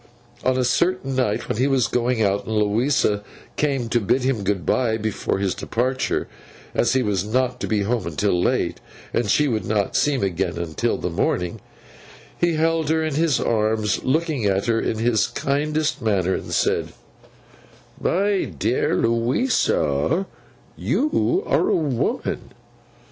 On a certain night, when he was going out, and Louisa came to bid him good bye before his departure—as he was not to be home until late and she would not see him again until the morning—he held her in his arms, looking at her in his kindest manner, and said: 'My dear Louisa, you are a woman!